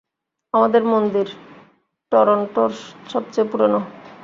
আমাদের মন্দির টরন্টোর সবচেয়ে পুরনো।